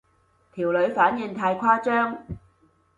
條女反應太誇張